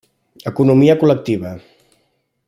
Economia col·lectiva.